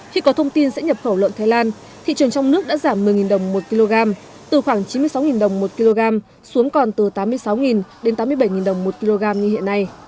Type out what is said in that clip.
khi có thông tin sẽ nhập khẩu lợn thái lan thị trường trong nước đã giảm một mươi đồng một kg từ khoảng chín mươi sáu đồng một kg xuống còn từ tám mươi sáu đến tám mươi bảy đồng một kg như hiện nay